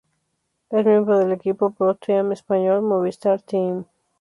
Es miembro del equipo ProTeam español, Movistar Team.